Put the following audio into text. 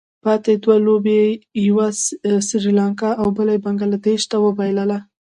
پاتې دوه لوبې یې یوه سري لانکا او بله بنګله دېش ته وبايلله.